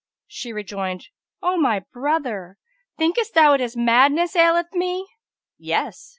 She rejoined, O my brother, thinkest thou it is madness aileth me?" "Yes."